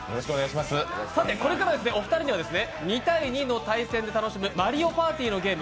さてこれからお二人には２対２の対戦で楽しむ「マリオパーティー」のゲーム